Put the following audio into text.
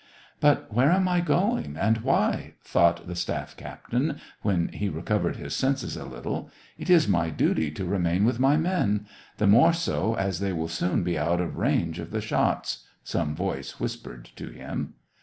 But where am I going, and why ?" thought the staff captain, when he recovered his senses a little. —" It is my duty to remain with my men, — the more so as they will soon be out of range of the shots," some voice whispered to him.